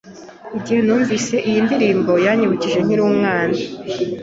Igihe numvise iyo ndirimbo, yanyibukije nkiri umwana.